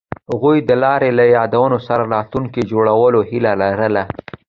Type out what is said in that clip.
هغوی د لاره له یادونو سره راتلونکی جوړولو هیله لرله.